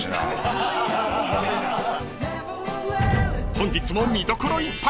［本日も見どころいっぱい］